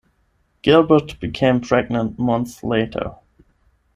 Gilbert became pregnant months later.